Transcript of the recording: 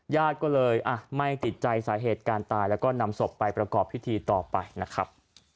ญาติก็เลยไม่ติดใจสาเหตุการตายแล้วก็นำศพไปประกอบพิธีต่อไปนะครับ